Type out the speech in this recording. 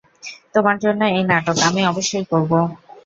তোমার জন্য এই নাটক, আমি অবশ্যই করবো।